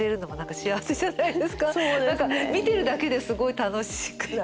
見てるだけですごい楽しくなりそう。